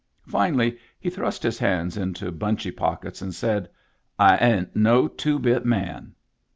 Finally he thrust his hands into bunchy pockets, and said :—" I ain't no two bit man."